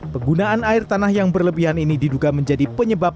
penggunaan air tanah yang berlebihan ini diduga menjadi penyebab